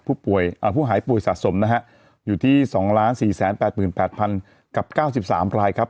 ผู้หายป่วยสะสมนะฮะอยู่ที่๒๔๘๘๐๐กับ๙๓รายครับ